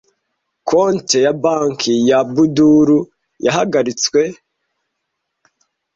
Konte ya banki ya Abudul yahagaritswe